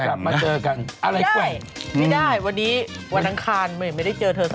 สวัสดีครับ